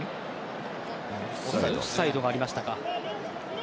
オフサイドがありましたか。